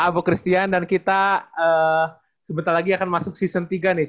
bu christian dan kita sebentar lagi akan masuk season tiga nih